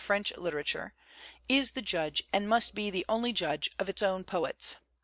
French literature, "is the judge, and must be the only judge of its own poets."